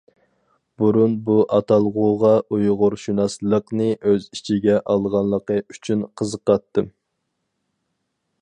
بۇرۇن بۇ ئاتالغۇغا ئۇيغۇرشۇناسلىقنى ئۆز ئىچىگە ئالغانلىقى ئۈچۈن قىزىقاتتىم.